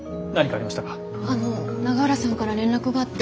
あの永浦さんから連絡があって。